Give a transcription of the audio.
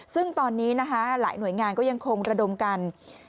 ซึ่งตอนนี้นะคะหลายหน่วยงานก็ยังคงระดมกัน